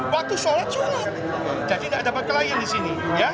waktu sholat sholat jadi tidak dapat kelayin di sini